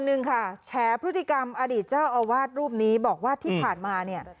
หนึ่งค่ะแฉพฤติกรรมอดีตเจ้าอาวาสรูปนี้บอกว่าที่ผ่านมาเนี่ย